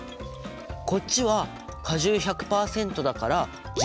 こっちは果汁１００％だから純物質。